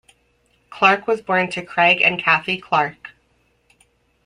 Clark was born to Craig and Cathy Clark.